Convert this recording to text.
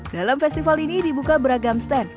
dalam festival ini dibuka beragam stand